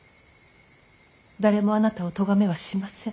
誰もあなたを咎めはしません。